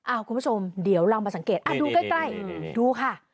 คุณผู้ชมเดี๋ยวลองมาสังเกตดูใกล้ดูค่ะ